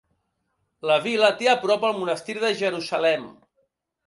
La vila té a prop el monestir de Jerusalem.